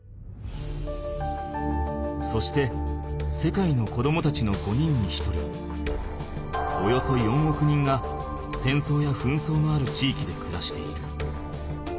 そして世界の子どもたちの５人に１人およそ４億人が戦争や紛争のある地域で暮らしている。